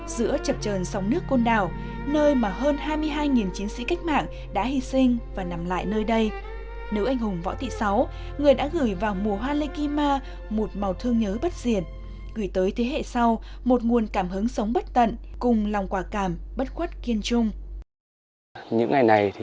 giữa chập trờn sóng nước côn đảo nơi mà hơn hai mươi hai chiến sĩ cách mạng đã hy sinh và nằm lại nơi đây nữ anh hùng võ thị sáu người đã gửi vào mùa hoa lê kuima một màu thương nhớ bất diển gửi tới thế hệ sau một nguồn cảm hứng sống bất tận cùng lòng quả cảm bất khuất kiên trung